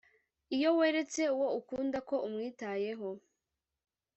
iyo weretse uwo ukunda ko umwitayeho